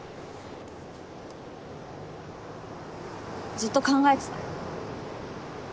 ずっと考えてた。